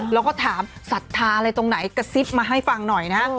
แล้วก็ถามศรัทธาอะไรตรงไหนกระซิบมาให้ฟังหน่อยนะ